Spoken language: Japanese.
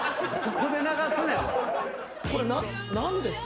これ何ですか？